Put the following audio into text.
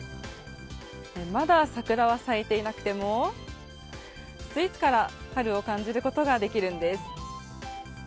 まだ桜は咲いていなくてもスイーツから春を感じることができるんです。